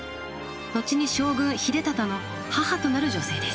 後に将軍秀忠の母となる女性です。